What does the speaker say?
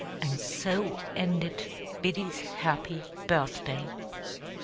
And so ended Biddy's happy birthday.